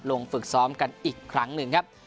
ลงฝึกซ้อมกันอีกครั้งหนึ่งครับ